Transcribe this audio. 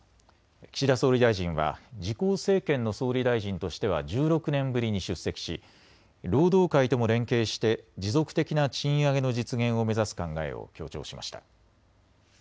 岸田総理大臣は自公政権の総理大臣としては１６年ぶりに出席し労働界とも連携して持続的な賃上げの実現を目指す考えを強調しました。